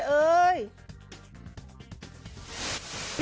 เต้ยเอ้ย